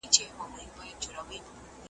تله جومات ته بله ډله د زلميانو ,